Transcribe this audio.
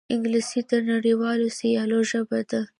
انګلیسي د نړیوالو سیالیو ژبه ده